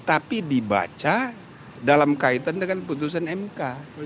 tapi dibaca dalam kaitan dengan putusan mk